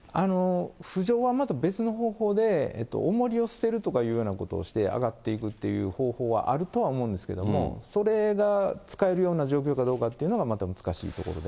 浮上はまた別の方法で、おもりを捨てるというようなことをして上がっていくっていう方法はあるとは思うんですけども、それが使えるような状況かどうかっていうのは、また難しいところで。